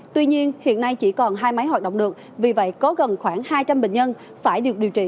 tuy nhiên hiện nay chỉ còn hai máy hoạt động được vì vậy có gần khoảng hai trăm linh bệnh nhân phải được điều trị